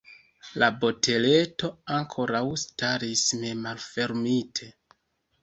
La boteleto ankoraŭ staris nemalfermite.